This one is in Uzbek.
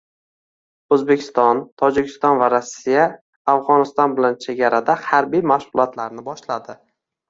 O‘zbekiston, Tojikiston va Rossiya Afg‘oniston bilan chegarada harbiy mashg‘ulotlarni boshladi